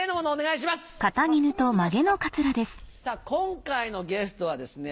今回のゲストはですね